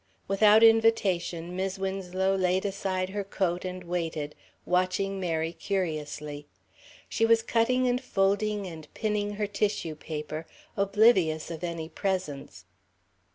Without invitation, Mis' Winslow laid aside her coat and waited, watching Mary curiously. She was cutting and folding and pinning her tissue paper, oblivious of any presence.